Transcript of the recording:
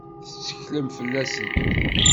Tetteklemt fell-asen?